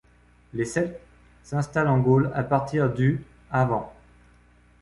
Les Celtes s'installent en Gaule à partir du av.